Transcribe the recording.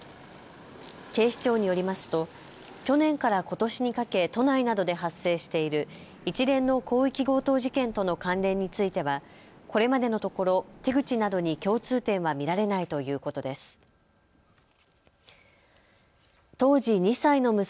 警視庁によりますと去年からことしにかけ都内などで発生している一連の広域強盗事件との関連については、これまでのところ手口などに共通点は見られないということです。